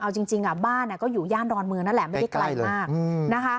เอาจริงบ้านก็อยู่ย่านดอนเมืองนั่นแหละไม่ได้ไกลมากนะคะ